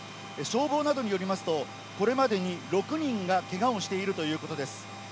消防などによりますと、これまでに６人がけがをしているということです。